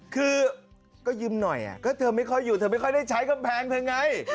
คือก็ยิ้มหน่อยก็เธอไม่ค่อยอยู่เธอไม่ค่อยได้ใช้กำแพงเธอไง